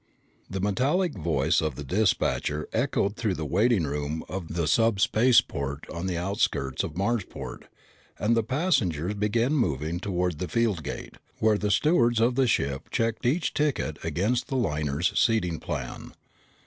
The metallic voice of the dispatcher echoed through the waiting room of the subspaceport on the outskirts of Marsport and the passengers began moving toward the field gate, where the stewards of the ship checked each ticket against the liner's seating plan.